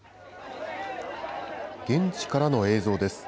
現地からの映像です。